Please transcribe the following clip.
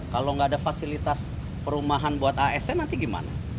kalau tidak ada fasilitas perumahan buat asn nanti bagaimana